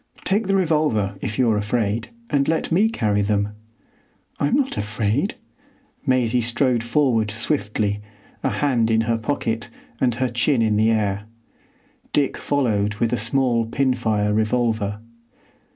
Take the revolver, if you are afraid, and let me carry them." "I'm not afraid." Maisie strode forward swiftly, a hand in her pocket and her chin in the air. Dick followed with a small pin fire revolver.